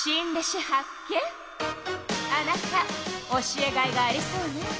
あなた教えがいがありそうね。